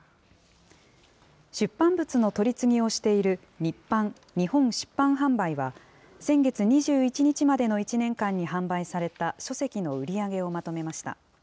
出版物の取り次ぎをしている日販・日本出版販売は、先月２１日までの１年間に販売された書籍の売り上げをまとめました。